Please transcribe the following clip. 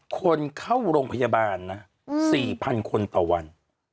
คนเข้าโรงพยาบาลนะ๔๐๐คนต่อวัน